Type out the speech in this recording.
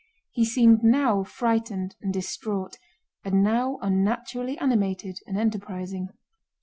He seemed now frightened and distraught and now unnaturally animated and enterprising.